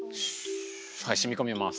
はいしみこみます。